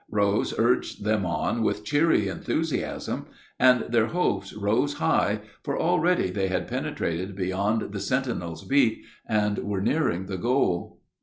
Rose urged them on with cheery enthusiasm, and their hopes rose high, for already they had penetrated beyond the sentinel's beat and were nearing the goal.